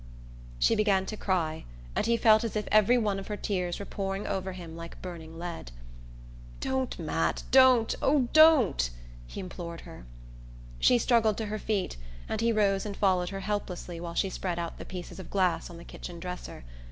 She began to cry, and he felt as if every one of her tears were pouring over him like burning lead. "Don't, Matt, don't oh, don't!" he implored her. She struggled to her feet, and he rose and followed her helplessly while she spread out the pieces of glass on the kitchen dresser.